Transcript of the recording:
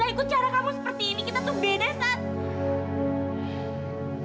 aku gak ikut cara kamu seperti ini kita tuh beda sat